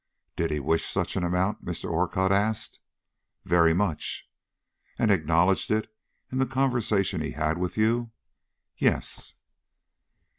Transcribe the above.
"Did he wish such an amount?" Mr. Orcutt asked. "Very much." "And acknowledged it in the conversation he had with you?" "Yes."